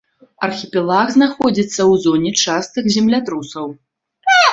Архіпелаг знаходзіцца ў зоне частых землятрусаў.